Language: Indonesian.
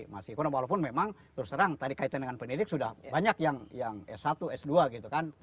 masih kurang walaupun memang terus terang tadi kaitan dengan pendidik sudah banyak yang s satu s dua gitu kan